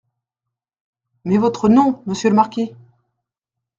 Mais votre nom, monsieur le marquis ?